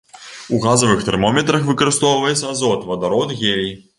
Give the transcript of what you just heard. У газавых тэрмометрах выкарыстоўваецца азот, вадарод, гелій.